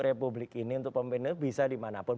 republik ini untuk pemilu bisa dimanapun